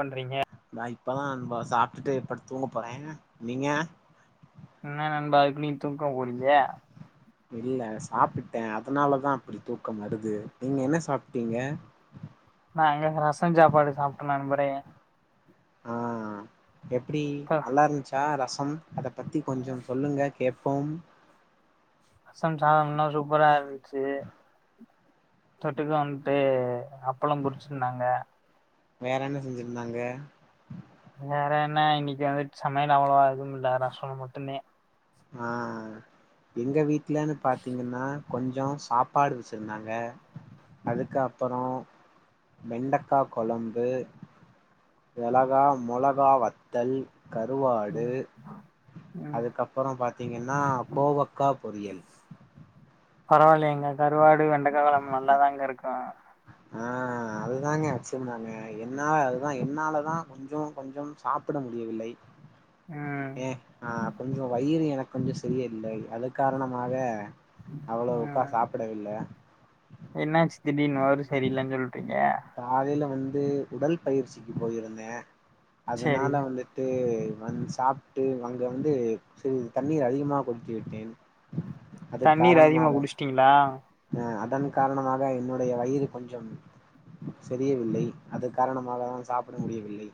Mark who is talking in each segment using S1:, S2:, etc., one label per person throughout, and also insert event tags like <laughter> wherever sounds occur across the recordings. S1: பண்றீங்க
S2: நா இப்பதா அ சாப்டுட்டு படுத் தூங்க போறே நீங்க
S1: இன்ன நண்பா அதுக்குள்யு தூக்க போறீங்க
S2: இல்ல சாப்பிட்டே அதனாலதா அப்பிடி தூக்கம் வருது நீங்க என்ன சாப்டீங்க
S1: நா இங்க ரச சாப்பாடு சாப்ட நண்பரே
S2: ஆ எப்பிடி
S1: இப்ப
S2: நல்லா இருந்துச்சா ரச அம் அதப் பத்தி கொஞ்சம் சொல்லுங்க கேப் போம்
S1: ரசம் சாதம்ன்னா சூப்பரா இருந்துச்சி தொட்டுக்க வந்ட்டு அப்பளம் பொறிச்சிருந்தாங்க
S2: வேற என்ன செஞ்சிருந்தாங்க
S1: வேற என்ன இன்னிக்கு வந்துட் சமையல் அவ்ளவா எதுவு இல்ல ரசம் மட்டுதெ
S2: ஆ எங்க வீட்டுலன்னு பாத்தீங்கன்னா கொஞ்சோ சாப்பாடு வச்சிருந்தாங்க அதுக்கு அப்புறோ வெண்டக்கா கொழம்பு மிளகா மொளகா வத்தல் கருவாடு
S1: ம் ம்
S2: அதுக்கப் அப்புறோ பாத்தீங்கன்னா கோவக்கா பொ றியல்
S1: பரவாலியேங்க கருவாடு வெண்டக்காகொழம்பு நல்லாதாங்க இருக்கு
S2: ஆ அதுதாங்க வச்சிந்தாங்க என்னால அதுதா என்னாலதா கொஞ்சம் கொஞ்சம் சாப்பிட முடியவில்லை
S1: ம்
S2: ஏ ஆ கொஞ்சோ வயிறு எனக் கொஞ்ச சரியில்லை அது காரணமாக அவ்வளவுக்கா சாப்பிடவில்ல
S1: என்னாச் திடீர்ன்னு வவுரு சரில்லனு சொல்ட் <unintelligible>
S2: காலையில வந்து உடல் பயிற்சிக்கு போயிருந்தே
S1: சரி
S2: அதனால வந்துட்டு வந் சாப்பிட்டு அங்க வந்து சி தண்ணீர் அதிகமா குடித்துவிட்டேன்
S1: தண்ணீர் அதிகமா குடிஷ்டீங்களா
S2: அ அதன் காரணமாக என்னுடைய வயிறு கொஞ்சம் சரியவில்லை அது காரணமாகதா சாப்பிட முடியவில்லை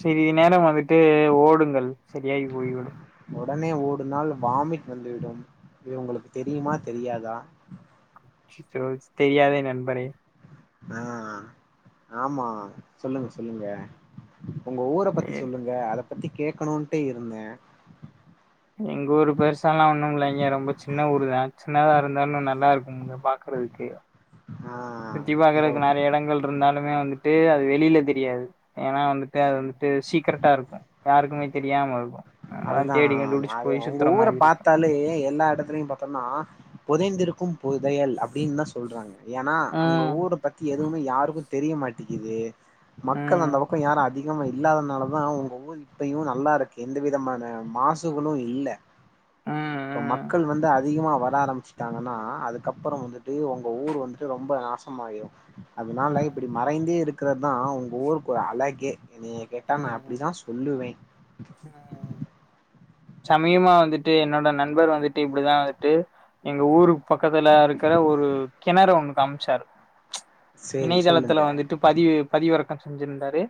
S1: சரி நேரம் வந்துட்டு ஓடுங்கள் சரியாகி போய்விடும்
S2: ஒடனே ஒடுனால் வாமிட் வந்துவிடும் இது உங்களுக்கு தெரியுமா தெரியாதா?
S1: <unintelligible> தெரியாதே நண்பரே
S2: ஆ ஆமா சொல்லுங்க சொல்லுங்க உங்க ஊர பத்தி
S1: எ
S2: சொல்லுங்க அத பத்தி கேக்கனூன்ட்டே இருந்தே
S1: எங்க ஊரு பெருசாலா ஒன்னுமில்லைங்க ரொம்ப சின்ன ஊரு தா சின்னதா இருந்தாலு நல்லாருக்குமுங்க பாக்குறதுக்கு
S2: ஆ
S1: சுத்தி
S2: அந்த
S1: பாக்குறக்கு நறைய எடங்கள்ருந்தாலுமே வந்து ட்டு அது வெளில தெரியாது ஏனா வந்துட்டு அது வந்துட்டு சீக்ரட்டா இருக்கு யாருக்குமே தெரியாம இருக்கு நம்மதா
S2: அதுதா
S1: தேடி
S2: நா
S1: கண்டுபிடிச்சு
S2: எ
S1: போய்
S2: உங்க
S1: சுத்துற
S2: ஊர
S1: மாரி இருக்கு
S2: பாத்தாலே எல்லா எடத்துலயும் பாத்தோன்னா புதைந்திருக்கும் புதையல் அப் டின் தா சொல்றாங்க ஏனா அங்க
S1: ம்
S2: ஊர பத்தி எதுவ்மே யாருக்கு தெரிய மாட்டிக்குது மக்கள் அந்த
S1: ம்
S2: பக்கொ யாரு அ திகமா இல்லாதனால தா உங்க ஊர் இப்பயு நல்லாருக்கு எந் த விதமான மாசுகளு இல்ல
S1: ம்
S2: இப்ப
S1: ம்
S2: மக்கள் வந்து அதிகமா வர ஆரம்மிச்சுட்டாங்கனா அதுக்கப்புற வந்துட்டு உங்க ஊர் வந்துட்டு ரொம்ப நாசமாயிரு அதுனால
S1: ம்
S2: இப்பிடி மறைந்தே இரு க்குறதா உங்க ஊருக்கு ஒரு அழகே என்னய கேட்டா நா
S1: ம்
S2: அப்டிதா சொல்லுவே
S1: ம் சமயமா வந்துட்டு என்னோட நண்பர் வந்துட்டு இப்டிதா வந்துட்டு எங்க ஊருக்கு பக்கத்துல இருக்குற ஒரு கிணறு ஒன்னு காமிச்சாரு
S2: சேரி
S1: இணையதளத்துல
S2: சொல்லுங்க
S1: வந்துட்டு பதிவு பதிவிறக் கம் செஞ்சிருந்தாரு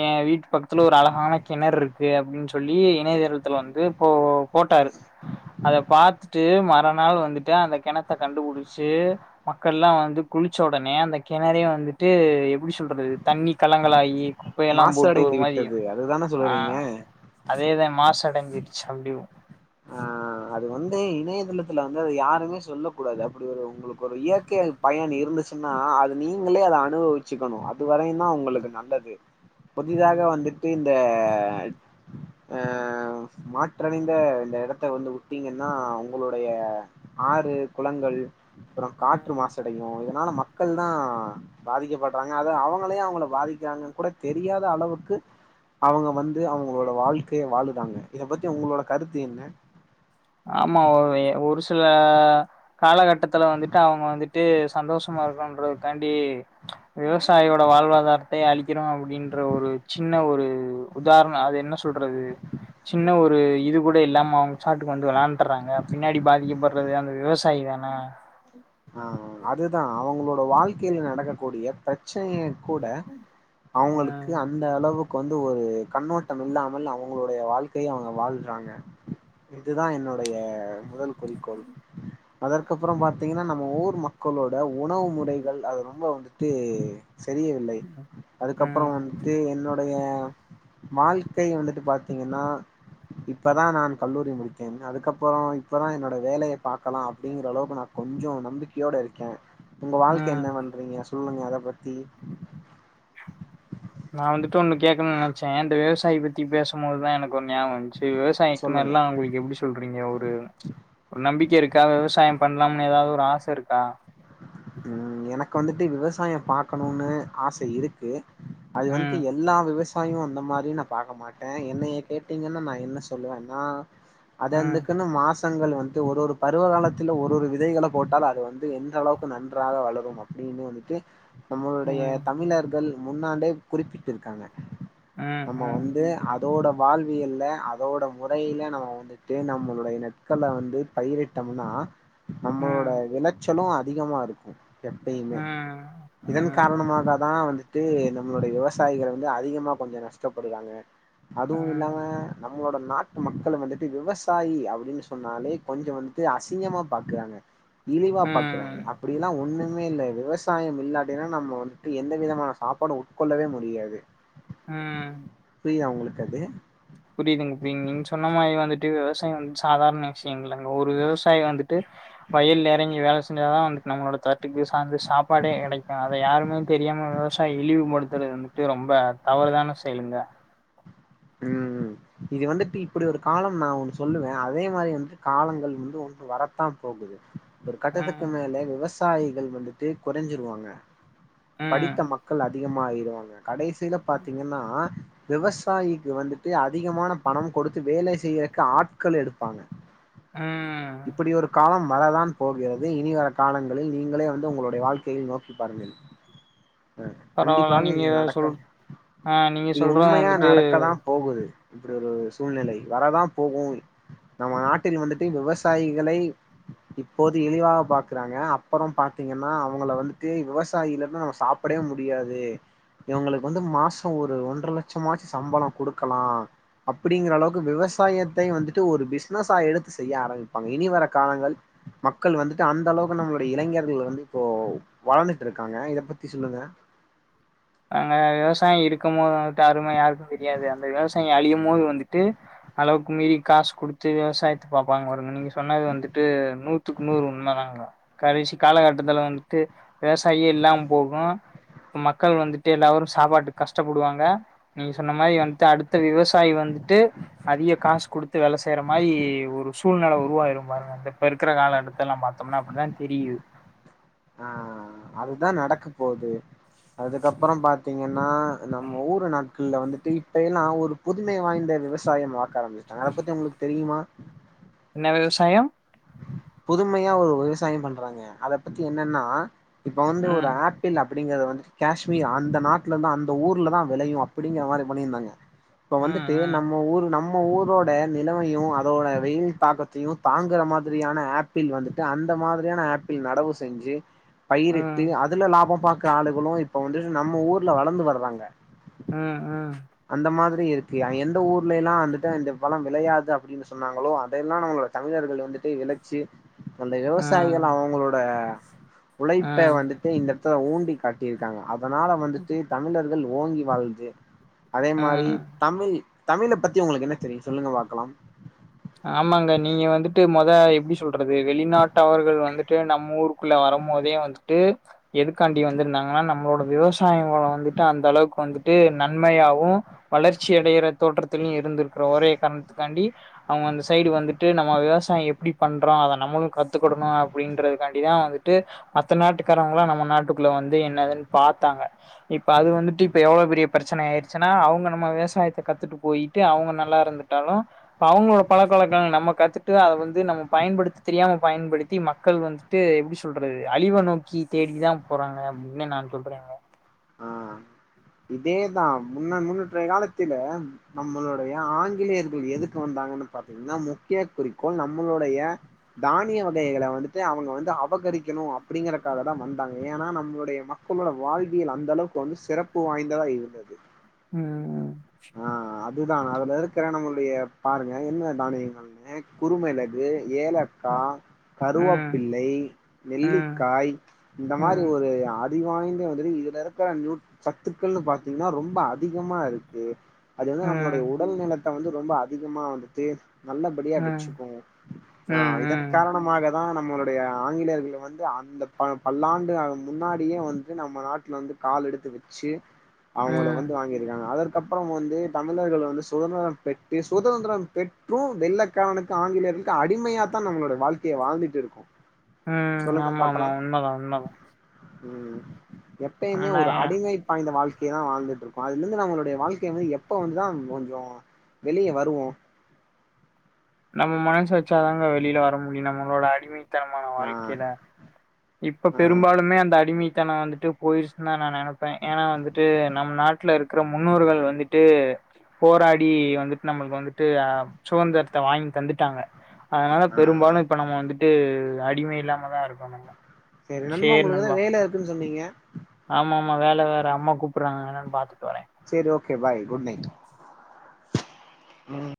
S1: ஏ வீட் டு பக்கத்துல ஒரு அழகான கிணற்ருக்கு அப்டின் சொல்லி இணையதளத்துல வந்து போ போட்டாரு அத பாத்துட்டு மறாநாள் வந்துட்டு அந்த கெணத்த கண்டுபிடிச்சு மக்கள்லா வந்து குளிச்ச ஒடனே அந்த கிணறே வந்துட்டு எப்டி சொல்றது தண்ணி கலங்களாயி குப்பை எல்லாம் போட் டு ஒரு
S2: மாசடைந்து
S1: மாரி
S2: விட்டது அதுதான
S1: ஆ
S2: சொல்றீங்க
S1: அதேதா மாச டஞ்சிர்ச்சு அப்டியோ
S2: ஆ அது வந்து இணையதளத்துல வந்து அது யாருமே சொல்லக்கூடாது அப்டி ஒரு உங்களுக்கு ஒரு இயற்கை பயன் இருந்துச்சுன்னா அது நீங்களே அத அனுபவிச்சுக்கனு அ து வரயுந்தா உங்களுக்கு நல்லது புதிதாக
S1: ம்
S2: வந்துட்டு இ ந்த ஆ மாற்றடைந்த இந்த எடத்த வந்து உ ட்டீங்கன்னா உங்களுடைய ஆறு குளங்கள் அப்றொ
S1: ம்
S2: காற்று மாசடையு இத ஆனா மக்கள்தா பாதிக்கப்படுறாங்க அத அவுங்களே அவுங்கள பாதிக்கிறாங்க கூட தெரியாது த அளவுக்கு அவுங்க வந்து அவுங்களோட வாழ்க்கைய வாழு காங்க இத பத்தி உங்களோட கருத்து என்ன
S1: ஆமா ஒரு ஒரு சில காலகட்டத்துல வந்துட்டு அவுங்க வந்துட்டு சந்தோஷமா இருக்குன்றது காண்டி விவசாயோட வாழ்வாதாரத்த அழிக்கிறோம் அப்டின்ற ஒரு சின்ன ஒரு உதாரணம் அது என்ன சொல்றது சின்ன ஒரு இது கூட இல்லாம அவங்க சாட் டு வந்து விளான்டுறாங்க பின்னாடி பாதிக்கப்படுறது அந்த விவசாயி தானே
S2: ஆ அதுதான் அவங்களோட் வாழ்க்கைல நடக்கக்கூடிய பிரச் டியே கூட அவங்களுக்கு
S1: ம்
S2: அந்த அளவுக் கு வந்து ஒரு கண்ணோட்டம் இல்லாமல் அவுங்களுடய வாழ்க்கைய அவங்க வாழ்றாங்க இதுதான் என்னுடைய முதல் குறிக்கோள் அதற்கப்ற பாத்தீங்கன்னா நம் ம ஊர் மக்களோட உணவு முறைகள் அது ரொம்ப வந்துட்டு செரியவில்லை அதுக்கப்பற
S1: ம்
S2: வந்துட்டு என்னுடைய வாழ்க்கை வந்துட்டு பாத்தீங்கன்னா இப்பதான் நான் கல்லூரி முடித்தேன் அதுக்கப்றோ இப்பதான் என்னோட வேலைய பாக்கலாம் அப்டிங்கற அளவுக்கு நா கொஞ்சோம் நம்பிக்கையோட இருக்கேன் உங்க வாழ்க்கை
S1: ம்
S2: என்ன பண்றீங்க சொல்லுங்க அத பத்தி
S1: நா வந்துட்டு ஒன்னு கேக்குணு நேனைச்சேன் இந்த விவசாயி பத்தி பேசும்போதுதா எனக்கு ஒரு ஞாபோம் வந்துச்சு விவசாயிக்கு
S2: சொல்லுங்க
S1: எல்லா அவுங்களுக்கு எப்டி சொல்றீங்க ஒரு நம்பிக்க இருக்கா விவசாயம் பண்ணலாமுன் ஏதாவுது ஒரு ஆச இருக்கா
S2: ம் எனக் கு வந்துட்டு விவசாயம் பாக்கணுன்னு ஆச இருக்கு அது வந்து
S1: ம்
S2: எல்லா விவஸ் விவசாயம் அந்த மாரி நா பாக்க மாட்டேன் என்னைய கேடீங்கன்னா நா என்ன சொல்லுவேன்னா அது
S1: ம்
S2: அந்துக்குன்னு மாஸ் றங்கள் வந்து ஒரு ஒரு பருவ காலத்துல ஒரு ஒரு விதைகள போட்டால் அது வந்து எந்த அளவு நன்றாக வளரும் அப்டின்னு வந்துட்டு நம்மளுடைய
S1: ம்
S2: தமிழர்கள் முன்னாளே குறிப்பிட் இருக்காங்க
S1: ம்
S2: நம்ம
S1: ம்
S2: வந்து அவ் அதோட வாழ்வியல்ல அதோட முறையில நம்ம வந்துட்டு நம்மளுடைய நட்கள வந்து பயிரிட்டம்னா நம்மளோட
S1: ம்
S2: விளைச்சலு அத் அதிகமா இருக்கு எப்பயுமே
S1: ம்
S2: இதன்
S1: ம்
S2: காரணமாகதா வந்து விடு நம்மளோடைய விவசாயிகள் வந்து அதிகமா கொஞ்சோ நஷ்டப்படுறாங்க அதுவும்
S1: ம்
S2: இல்லாம நம் நம்மளோட நாட்டு மக்கள் வந்துட்டு விவசாயி அப்டின் சொன்னாலே கொஞ்சோ வந்துட்டு அசிங்கமா பாக்குறாங்க இழிவா
S1: ம்
S2: பாக் இருக்குறாங்க அப்டி எல்லா ஒன்னும் மே இல்ல விவசாயம் இல்லாட்டினா நம்ம வந்துட்டு எந்த விதமான சாப்பாடு உட்கொள்ளவே முடியாது
S1: ம்
S2: தி அவங்களுக்கு அது
S1: புரியுதுங்க பிங் நீங்க சொன்ன மாரி வந்துட்டு விவசாயம் வந்து சாதாரண விஷ்யங்கள் இல்லங்க ஒரு விவசாயி வந்துட்டு வயல்ல எறங்கி வேல செஞ்சாதா வந்துட்டு நம்மளோட தட்டுக்கு சாந்து சாப்பாடே கெடைக்கு அதை யாருமே தெரியாம விவசாய இழிவுபடுத்துறது வந்துட்டு ரொம்ப தவறுதான செயலுங்க
S2: ம் இது வந்துட்டு இப்டி ஒரு காலம் நா ஒண்ணு சொல்லுவ அதே மாரி வந்துட்டு காலங்கள் வந்து ஒண்ணு வரத்தாம் போகுது ஒரு கட்டத்துக்கு
S1: ம்,
S2: மேல விவஸ் விவசாயிகள் வந்துட்டு கொறஞ்சுருவாங்க
S1: ம்,
S2: படித்த மக்கள் அத் அதிகமாயிருவாங்க கடைசியில பாத்தீங்கன்னா விவசாயி இது வந்துட்டு அதிகமான பணம் கொடுத்து வேலை செய்றக்கு ஆட்கள் எடுப்பாங்க
S1: ம்.
S2: இப்புடி ஒரு காலம் வரதான் போகிறது இனி வர காலங்களில் நீங்களே வந்து உங்களுடைய வாழ்க்கையில் நோக்கி பாருங்கள்
S1: பரவால்ல
S2: கண்டிப்பாக
S1: நீங்க
S2: இது
S1: சொல்
S2: நடக்க
S1: ஆ நீங்க சொல்றது வந்துட்டு
S2: து இப்டி ஒரு சூழ்நிலை வரதாம் போகு நம்ம நாட்டில் வந்துட்டு விவசாயிகளை இப்போது இழிவாக பாக்குறாங்க அப்புறோம் பாத்தீங்கன்னா அவங்கள வந்துட்டு விவசாயி இல்லனா நம்ம சாப்புடவே முடியாது இவங்களுக்கு வந்து மாசோ ஒரு ஒன்ற லட்சமாச்சு சம்பளோ குடுக் க்கலா அப்டிங்கிற அளவுக்கு விவசாயத்தை வந்துட்டு ஒரு பிஸ்னஸ்ஸா எடுத்து செய்ய ஆரம்பிப்பாங்க இனி வர காலங்கள் மக்கள் வந்துட்டு அந்த அளவுக்கு நம்மளுடைய இளைஞர்கள வந்து இப்போ வளர்ந்துட்டு இருக்காங்க இத பத்தி சொல்லுங்க
S1: நாங்க விவசாயி இருக்கும் போதா வந்துட்டு அருமை யாருக்கு தெரியாது அந்த விவசாயோ அழியும் போது வந்துட்டு அளவுக்கு மீறி காசு குடுத்து விவசாயத்த பாப்பாங்க பாருங்க நீங்க சொன்னது வந்துட்டு நூத்துக்கு நூறு உண்மதாங்க கடைசி காலகட்டத்துல வந்துட்டு விவசாயே இல்லாம் போகு மக் மக்கள் வந்துட்டு எல்லாரு சாப்பாட்டுக்கு கஷ்டப்படுவாங்க நீங்க சொன்ன மாரி வந்துட்டு அடுத்த விவசாயி வந்துட்டு அதிக காசு குடுத்து வேல செய்யற மாரி ஒரு சூழ்நெல உருவாயிரும் பாருங்க இந்த இப்ப இருக்குற கால கட்டத்தெல்லாம் பாத்தம்னா அப்டித்தான் தெரியுது
S2: ஆ அதுதா நடக்க போகுது அதுக்கப்புறோம் பாத்தீங்கன் னா நம்ம ஊர நாட் கள் வந்துட்டு இப்ப எல்லா ஒரு புதுமை வாய்ந்த விவசாயம் பாக்க ஆரம்பிச்சுட்டாங்க அத பத்தி உங்களுக்கு தெரியுமா
S1: என்ன விவசாயோ
S2: புதுமையா ஒரு விவசாயம் பண்றாங்க அத பத்தி என்னன்னா இப்ப வந்து ஒரு
S1: ம்
S2: ஆப்பிள் அப் அப்பிடிங்கறது வந்து காஷ்மீர் அந்த நாட்டுலதா அந்த ஊர்லதா வெளையு அப்பிடிங்கிற மாரி பண்ணியிருந்தாங்க இப்ப
S1: ம்
S2: வந்துட்டு
S1: ம்
S2: நம்ம ஊர் நம் நம்ம ஊரோட நிலைமையு அதோட வெயில் தாக்கத்தையு தாங்குற மாரி ரியான ஆப்பிள் வந்துட்டு அந்த மாதிரியான ஆப்பிள் நடவு செஞ்சி பயிரிட்டு
S1: ம்
S2: அதுல லாபம் பாக் த்த ஆளுங்களு இப்ப வந்து நம்ம ஊர்ல வளந்து வர்றாங்க
S1: ம் ம்
S2: அந்த மாதிரி இருக்கு எந்த ஊர்ல எல்லா அந்துட்டு இந்த பழம் விளையாது அப்பிடின்னு சொன்னாங்களோ அதெல்லா நம்மளோட தமிழர்கள் வந்துட்டு விளச்சி அந்த
S1: ஆ
S2: விவசாயிகள் அவங்களோட
S1: ஆ
S2: உழைப்ப வந்துட்டு இந்த த்த ஊண்டி காட்டியிருக்காங்க அதனால வந்துட்டு தமிழர்கள் ஓங்கி வாழ்ந்து அதே மாரி
S1: ஆ
S2: தமிழ் தமிழ பத்தி உங்களுக்கு என்ன தெரியு சொல்லுங்க பாக்கலா
S1: ஆமாங்க நீங்க வந்துட்டு மொத எப்பிடி சொல்றது வெளிநாட்டவர்கள் வந்துட்டு நம்ம ஊருக்குள்ள வரம் போதே வந்துட்டு எதுக்காண்டி வந்திருந்தாங்கன்னா நம்மளோட விவசாயங்கள வந்துட்டு அந்த அளவுக்கு வந்துட்டு நன்மையாவு வளர்ச்சி அடையற தோற்றத்திலயு இருந்து இருக்கற ஒரே காரணத்துக்காண்டி அவுங்க அந்த சைடு வந்துட்டு நம்ம விவசாயோ எப்பிடி பண்றோ அத நம்மளு கத்துக்கடணு அப்பிடின்றதுக்காண்டிதா வந்துட்டு மத்த நாட்டுக்காரவங்களா நம்ம நாட்டுக்குள்ள வந்து என்னதுன்னு பாத்தாங்க இப்ப அது வந்துட்டு இப்ப எவ்ளோ பெரிய பிரச்சன ஆயிர்ச்சின்னா அவுங்க நம்ம விவசாயத்த கத்துட்டு போயிட்டு அவுங்க நல்லா இருந்துட்டாலு இப்ப அவுங்களோ பழக்க வழக்கள் நம்ம கத்துட்டு அத வந்து நம்ம பயன்படுத்தி தெரியாம பயன்படுத்தி மக்கள் வந்துட்டு எப்பிடி சொல்றது அழிவ நோக்கி தேடிதா போறாங்க அப்பிடின்னு நா சொல்றேங்க
S2: ஆ இதேதா முன்ன முன்னூற்ற காலத்தில நம்மளுடைய ஆங்கிலேயர்கள் எதுக்கு வந்தாங்கன்னு பாத்தீங்கன்னா முக்கிய குறிக்கோள் நம்மளுடைய தானிய வகைகள வந்துட்டு அவுங்க வந்து அபகரிக்கணு அப்பிடிங்கறக்காகதா வந்தாங்க ஏன்னா நம்மளுடைய மக்களோட வாழ் கில் அந்த அளவுக்கு வந்து சிறப்பு வாய்ந்ததா இருந்தது
S1: ம் ம்
S2: இதுதா அதுல இருக்கிற நம்மளுடைய பாருங்க என்ன தானியங்கள்னு குறுமிளகு ஏலக்கா
S1: ம்
S2: கருவப்பிள்ளை
S1: ம்
S2: நெல்லிக்காய் இந்த
S1: ம்
S2: மாரி
S1: ம்
S2: ஒரு ஆ திவாய்ந்த அதறி இதுல இருக்கிற நியூ சத்துக்கள்னு பாத்தீங்கன்னா ரொம்ப அதிகமா இருக்கு அது வந்து நம்மளுடைய
S1: ம்
S2: உடல் நல ந்த வந்து ரொம்ப அதிகமா வந்துட்டு நல்லபடியா
S1: ம்
S2: வச்சிக்கு ஆ இதன்
S1: ம்
S2: காரணமாக தா நம்மளுடைய ஆங்கிலேர்கள் வந்து அந்த ப பல்லாண்டு முன்னாடியே வந்ட்டு நம்ம நாட் ல வந்து கால் எடுத்து வச்சி அவுங்க
S1: ம்
S2: வந்து வாங்கிருக்காங்க அதற் க்கப்புறோ வந்து தமிழர்கள் வந்து சுதந்திரம் பெட்டு சுதந்திரம் தினம் பெற்று வெள்ளக்காரனுக்கு ஆங்கிலேயர்களுக்கு அடிமையாதா நம்மளுடைய வாழ்க்கையை வாழ்திட்டு இருக்
S1: ம் ஆமா ஆமா உண்மதா உண்மதா
S2: ம் எப்பயுமே
S1: ஆனா
S2: ஒரு அடிமை பாய்ந்த வாழ்க்கை தா வாழ்ந்துட்டு இருக்கோ அதுல இருந்து நம்மளுடைய வாழ்க்கையை வந்து எப்ப வந்துதா கொஞ்சோ வெளிய வருவோ
S1: நம்ம மனசு வச்சாதாங்க வெளியில வர முடியு நம்மளோட அடிமை த்தமான
S2: ஆஹ்
S1: வாழ்க்கையில இப்ப
S2: ஆஹ்
S1: பெரும்பாலுமே அந்த அடிமை த்தன வந்துட்டு போயிருச்சுன்னு தா நா நெனப்பே ஏன்னா வந்துட்டு நம்ம நாட்ல இருக்ற முன்னோர்கள் வந்துட்டு போராடி வந்துட்டு நம்மளுக்கு வந்துட்டு சுதந்திர வாங்கி தந்துட்டாங்க அதனால
S2: ஆஹ்
S1: பெரும்பாலு இப்ப நம்ம வந்துட்டு அடிமை இல்லாம தா இருக்கோ நம்ம
S2: சரி நண்ப
S1: சேரி
S2: ஒங்களுக்கு ஏதோ
S1: நண்பா
S2: வேல இருக்குன்னு சொன்னீங்க
S1: ஆமா ஆமா வேல வேற அம்மா கூப்ருடுறாங்க என்னனு பாத்துக்
S2: சேரி ஓகே பாய் குட் நைட் உம்